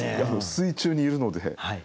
水中にいるので。